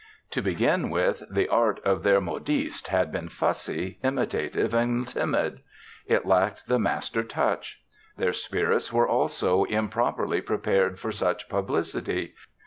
To begin with, the art of their modiste had been fussy, imitative and timid. It lacked the master touch. Their spirits were also improperly prepared for such publicity.